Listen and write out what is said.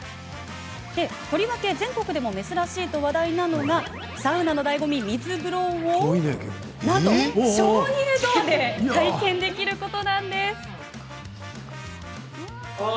とりわけ、全国でも珍しいと話題なのがサウナのだいご味、水風呂をなんと鍾乳洞で体験できること。